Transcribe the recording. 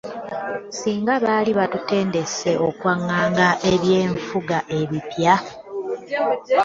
Singa baali batutendese okwaŋŋanga eby’enfuga empya.